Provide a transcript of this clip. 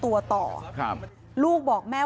แม่ก็ให้โอกาสแม่